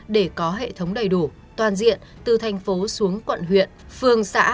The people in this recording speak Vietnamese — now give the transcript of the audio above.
để có hệ thống đầy đủ toàn diện từ thành phố xuống quận huyện phường xã